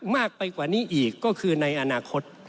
มากไปกว่านี้อีกก็คือในอนาคต